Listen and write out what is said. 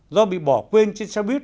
do bị bỏ quên trên xe buýt